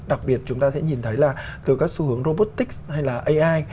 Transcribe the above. đặc biệt chúng ta sẽ nhìn thấy là từ các xu hướng robotics hay là ai